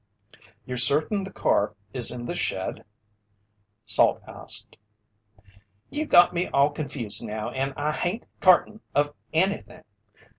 "You're certain the car still is in the shed?" Salt asked. "You got me all confused now, and I hain't cartain of anything.